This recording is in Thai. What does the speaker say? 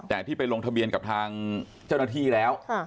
แต่ที่ไปลงทะเบียนกับทางเจ้าหน้าที่แล้ว